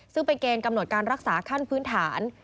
ซึ่งเป็นเกณฑ์กำหนดการรักษาขั้นพื้นฐาน